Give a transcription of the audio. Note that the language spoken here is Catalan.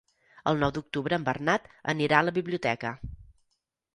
El nou d'octubre en Bernat anirà a la biblioteca.